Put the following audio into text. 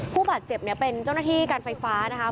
ผู้บาดเจ็บเนี่ยเป็นเจ้าหน้าที่การไฟฟ้านะคะ